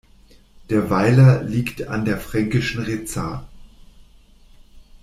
Der Weiler liegt an der Fränkischen Rezat.